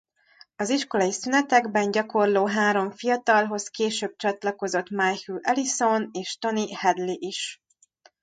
Az iskolai szünetekben gyakorló három fiatalhoz később csatlakozott Michael Ellison és Tony Hadley is.